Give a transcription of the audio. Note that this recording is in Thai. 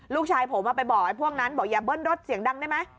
ลูกชายผมไปบอกไอ้พวกนั้นบอกอย่าเบิ้ลรถเสียงดังได้ไหม